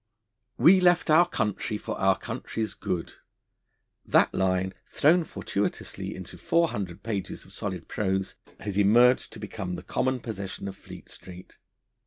'We left our country for our country's good.' That line, thrown fortuitously into four hundred pages of solid prose, has emerged to become the common possession of Fleet Street.